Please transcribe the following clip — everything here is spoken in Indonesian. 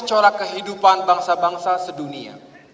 corak kehidupan bangsa bangsa sedunia